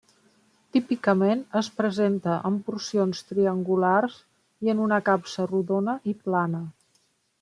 Típicament es presenta en porcions triangulars i en una capsa rodona i plana.